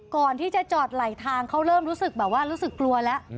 ก่อนที่จะจอดไหลทางเขาเริ่มรู้สึกกลัวแล้ว